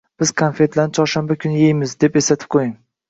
“Biz konfetlarni chorshanba kuni yeymiz”, deb eslatib qo‘ying.